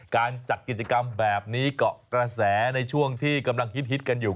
การจัดกิจกรรมแบบนี้เกาะกระแสในช่วงที่กำลังฮิตกันอยู่